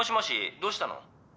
どうしたの？